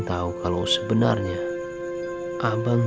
surat dari alif